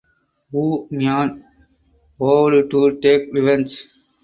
Wu Mian vowed to take revenge.